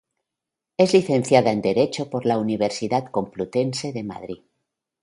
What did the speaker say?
Es licenciada en Derecho por la Universidad Complutense de Madrid.